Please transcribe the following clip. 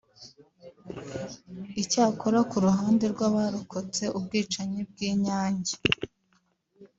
Icyakora ku ruhande rw’abarokotse ubwicanyi bw’i Nyange